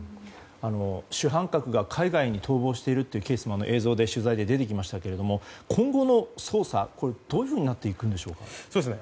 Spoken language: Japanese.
主犯格が海外に逃亡しているというケース取材映像でも出てきましたが今後の捜査はどういうふうになっていくんでしょうか。